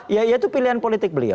ya itu pilihan politik beliau